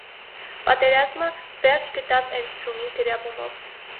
Պատերազմը վերջ գտաւ էրզրումի գրաւումով։